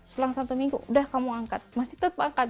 selang satu minggu udah kamu angkat masih tetap angkat